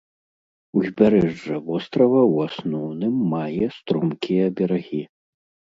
Узбярэжжа вострава ў асноўным мае стромкія берагі.